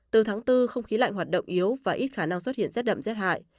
từ tháng bốn không khí lạnh hoạt động yếu và ít khả năng xuất hiện rét đậm rét hại